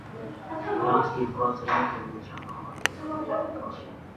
Նրանք ստիպված էին քննության համար գծագրեր նկարել։